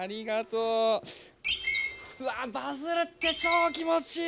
うわバズるって超気持ちいい！